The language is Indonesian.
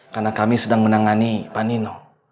karena kami sedang menangani panino